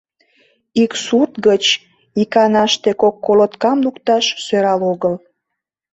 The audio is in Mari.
Ик сурт гыч иканаште кок колоткам лукташ сӧрал огыл...